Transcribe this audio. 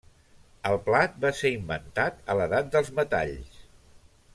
El plat va ser inventat a l'edat dels metalls.